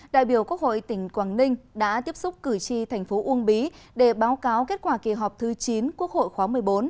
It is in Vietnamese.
đại biểu quốc hội tỉnh quảng ninh đã tiếp xúc cử tri thành phố uông bí để báo cáo kết quả kỳ họp thứ chín quốc hội khóa một mươi bốn